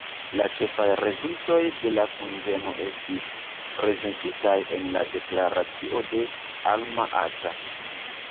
La ĉefaj rezultoj de la kunveno estis prezentitaj en la deklaracio de Alma-Ata.